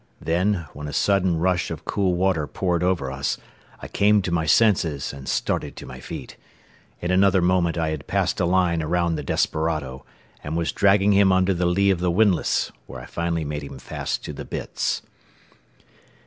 Then, when a sudden rush of cool water poured over us, I came to my senses and started to my feet. In another moment I had passed a line around the desperado, and was dragging him under the lee of the windlass, where I finally made him fast to the bitts.